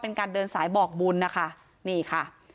เป็นการเดินสายบอกบุญนะคะนี่ค่ะ